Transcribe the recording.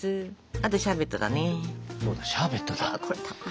あとシャーベットだね。